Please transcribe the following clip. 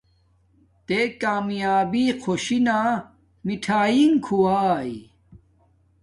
تے کامیابی خوشی نا میٹھایگ کھواݵ